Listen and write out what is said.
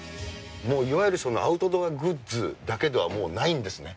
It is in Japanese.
もういわゆるアウトドアグッズだけでは、もうないんですね。